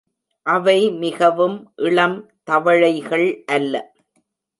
அவை மிகவும் இளம் தவளைகள் அல்ல.